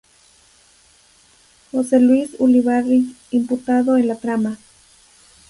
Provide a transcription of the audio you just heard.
Jose Luis Ulibarri, imputado en la trama.